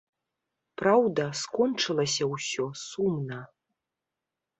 Праўда, скончылася ўсё сумна.